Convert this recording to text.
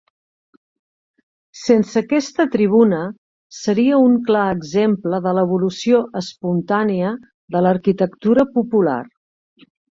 Sense aquesta tribuna seria un clar exemple de l'evolució espontània de l'arquitectura popular.